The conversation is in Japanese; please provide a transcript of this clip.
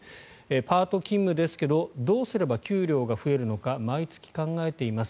パート勤務ですけどどうすれば給料が増えるのか毎月考えています。